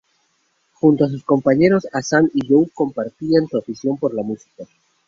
Junto a sus compañeros Azam y Joe compartían su afición por la música.